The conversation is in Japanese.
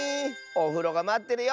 「おふろがまってるよ」